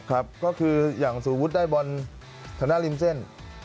ก็คือย่างศฺูฤษได้บอลข้างหน้าป้อส